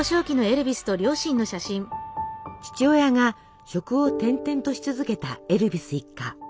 父親が職を転々とし続けたエルヴィス一家。